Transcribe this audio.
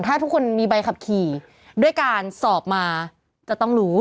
ถ้าทุกคนมีใบขับขี่ด้วยการสอบมาจะต้องรู้